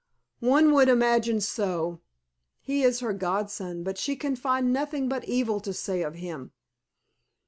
"One would imagine so. He is her godson, but she can find nothing but evil to say of him."